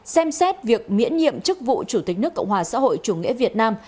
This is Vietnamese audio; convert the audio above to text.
xem xét việc miễn nhiệm chức vụ chủ tịch nước cộng hòa xã hội chủ nghĩa việt nam